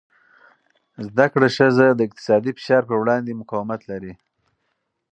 زده کړه ښځه د اقتصادي فشار پر وړاندې مقاومت لري.